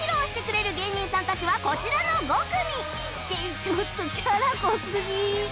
ちょっとキャラ濃すぎ